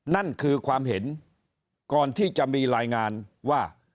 นั่นคือความเห็นก่อนที่จะมีรายงานว่า